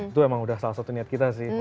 itu emang udah salah satu niat kita sih